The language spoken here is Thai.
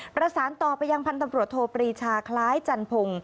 ประสานต่อไปยังพันธบริชาคล้ายจันทร์พรุง